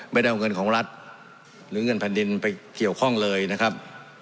ไม่ได้เอาเงินของรัฐหรือเงินแผ่นดินไปเกี่ยวข้องเลยนะครับ